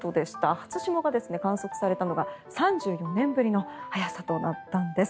初霜が観測されたのが３４年ぶりの早さとなったんです。